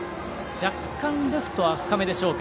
若干、レフトは深めでしょうか。